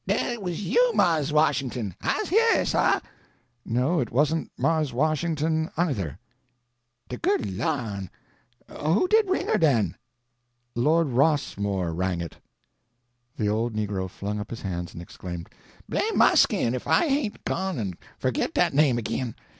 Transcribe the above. "Den it was you, Marse Washington. I's heah, suh." "No, it wasn't Marse Washington, either." "De good lan'! who did ring her, den?" "Lord Rossmore rang it!" The old negro flung up his hands and exclaimed: "Blame my skin if I hain't gone en forgit dat name agin!